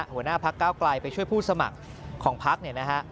หัวหน้าพักเก้าไกลไปช่วยผู้สมัครของพักเนี่ยนะฮะ